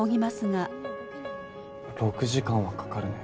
６時間はかかるね。